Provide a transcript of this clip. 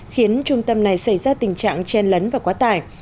khiến trung tâm này xảy ra tình trạng chen lấn và quá tải